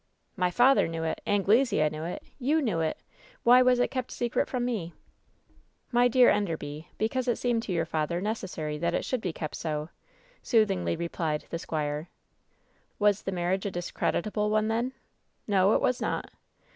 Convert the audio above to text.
"My father knew it ! Anglesea knew it ! You knew it ! Why was it kept secret from me ?" "My dear Enderby — ^because it seemed to your father necessary that it should be kept so," soothingly replied the squire. "Was the marriage a discreditable one, then ?" "No, it was not."